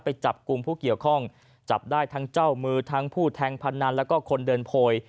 ไปจับกลุ่มผู้เกี่ยวข้องจับได้ทั้งเจ้ามือทั้งผู้แทงพนันแล้วก็คนเดินโพย